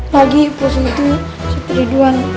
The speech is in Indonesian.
lagi pak siti setriduan